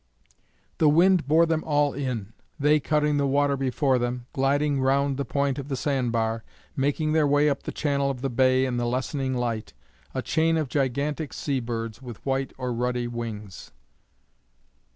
The wind bore them all in, they cutting the water before them, gliding round the point of the sand bar, making their way up the channel of the bay in the lessening light, a chain of gigantic sea birds with white or ruddy wings.